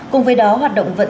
cùng với đó hoạt động tập trung